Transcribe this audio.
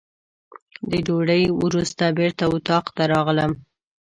د ډوډۍ وروسته بېرته اتاق ته راغلم.